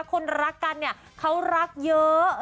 คนรักกันเนี่ยเขารักเยอะ